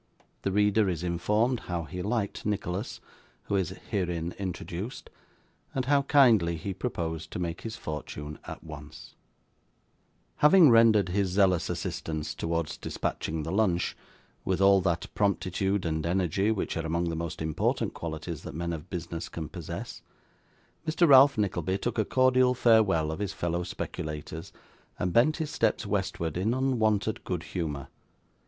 The Reader is informed how he liked Nicholas, who is herein introduced, and how kindly he proposed to make his Fortune at once Having rendered his zealous assistance towards dispatching the lunch, with all that promptitude and energy which are among the most important qualities that men of business can possess, Mr. Ralph Nickleby took a cordial farewell of his fellow speculators, and bent his steps westward in unwonted good humour.